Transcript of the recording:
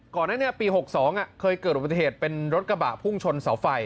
ก่อนนั้นปี๖๒เคยเกิดอุบัติเหตุเป็นรถกระบะพุ่งชนเสาไฟ